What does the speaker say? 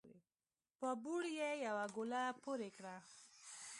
په بوړ يې يوه ګوله پورې کړه